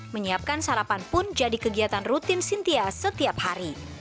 menyiapkan sarapan pun jadi kegiatan rutin sintia setiap hari